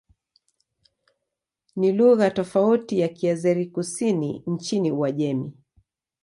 Ni lugha tofauti na Kiazeri-Kusini nchini Uajemi.